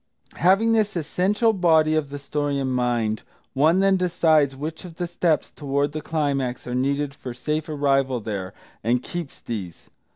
Having this essential body of the story in mind, one then decides which of the steps toward the climax are needed for safe arrival there, and keeps these.